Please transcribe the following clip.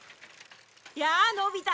やあのび太。